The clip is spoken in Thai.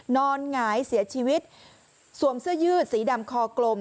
หงายเสียชีวิตสวมเสื้อยืดสีดำคอกลม